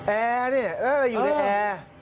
แอร์เนี่ยเอออยู่ในแอร์